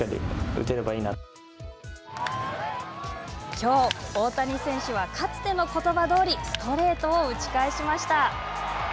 きょう、大谷選手はかつてのことばどおり、ストレートを打ち返しました。